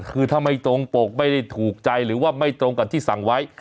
คือถ้าไม่ตรงปกไม่ได้ถูกใจหรือว่าไม่ตรงกับที่สั่งไว้